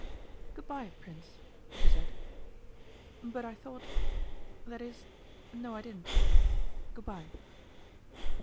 'Good bye, Prince,' she said, 'but I thought that is, no I didn't. Good bye.